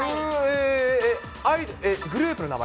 グループの名前？